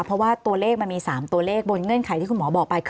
เพราะว่าตัวเลขมันมี๓ตัวเลขบนเงื่อนไขที่คุณหมอบอกไปคือ